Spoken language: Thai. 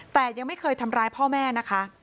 แต่ยังไม่เคยทำร้ายพ่อแม่นะคะ